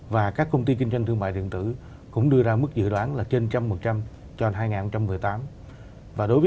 và kho hàng từ các nơi khác